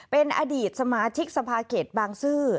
เป็นอดีตสมาชิกสภาเขตบางซื่อ